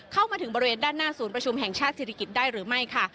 เข้ามาถึงบริเวณด้านหน้าศูนย์ประชุมแห่งชาติศิริกิจได้หรือไม่ค่ะ